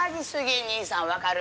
兄さん分かる？